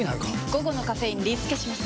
午後のカフェインリスケします！